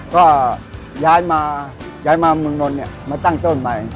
ก็ย้ายมาเมืองนลมาตั้งต้นมา